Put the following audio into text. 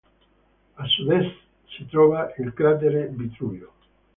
A sudest si trova il cratere Vitruvio.